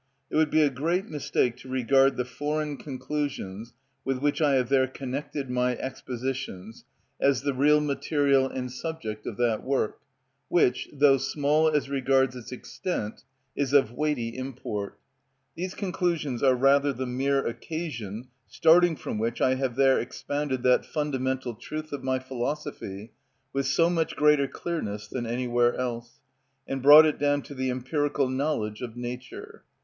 It would be a great mistake to regard the foreign conclusions with which I have there connected my expositions as the real material and subject of that work, which, though small as regards its extent, is of weighty import. These conclusions are rather the mere occasion starting from which I have there expounded that fundamental truth of my philosophy with so much greater clearness than anywhere else, and brought it down to the empirical knowledge of nature.